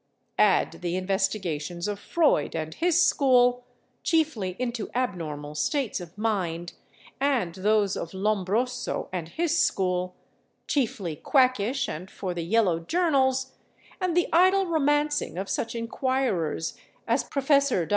Add the investigations of Freud and his school, chiefly into abnormal states of mind, and those of Lombroso and his school, chiefly quackish and for the yellow journals, and the idle romancing of such inquirers as Prof. Dr.